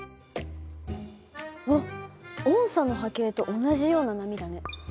あっおんさの波形と同じような波だね。